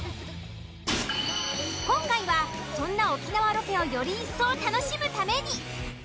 ［今回はそんな沖縄ロケをよりいっそう楽しむために］